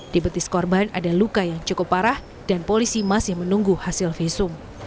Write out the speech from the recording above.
di betis korban ada luka yang cukup parah dan polisi masih menunggu hasil visum